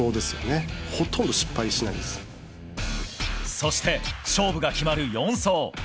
そして、勝負が決まる４走。